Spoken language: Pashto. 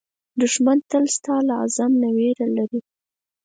دښمن تل ستا له عزم نه وېره لري